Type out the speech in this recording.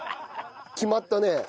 決まったね。